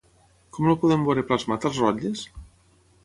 Com el podem veure plasmat als rotlles?